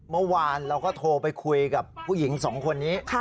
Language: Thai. เมื่อวานเราก็โทรไปคุยกับผู้หญิงสองคนนี้